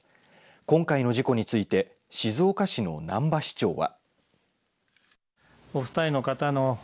今回の事故について静岡市の難波市長は。